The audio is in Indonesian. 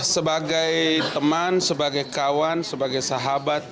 sebagai teman sebagai kawan sebagai sahabat